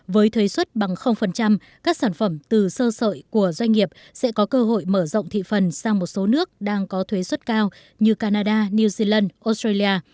với thuế xuất bằng các sản phẩm từ sơ sợi của doanh nghiệp sẽ có cơ hội mở rộng thị phần sang một số nước đang có thuế xuất cao như canada new zealand australia